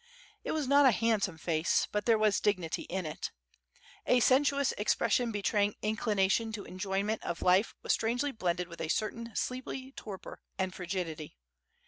It was not a handsome face, but there was dignity in it. A sensuous expression betraying inclination to enjoyment of life was strangely blended with a certain sleepy torpor and frigidity.